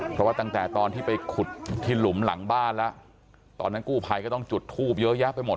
เพราะว่าตั้งแต่ตอนที่ไปขุดที่หลุมหลังบ้านแล้วตอนนั้นกู้ภัยก็ต้องจุดทูปเยอะแยะไปหมด